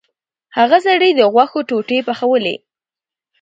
هغه سړي د غوښو ټوټې پخولې.